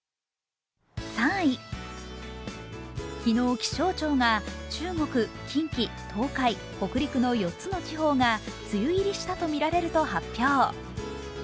３位、昨日気象庁が中国、近畿、東海、北陸の４つの地方が梅雨入りしたとみられると発表。